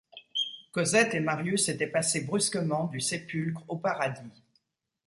Cosette et Marius étaient passés brusquement du sépulcre au paradis.